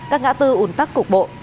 các ngã tư ủn tắc cục bộ